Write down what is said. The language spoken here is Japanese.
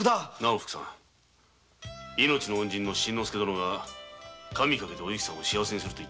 おふくさん命の恩人の真之介殿が神かけておゆきさんを幸せにすると。